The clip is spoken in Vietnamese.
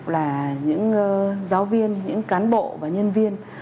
là những giáo viên những cán bộ và nhân viên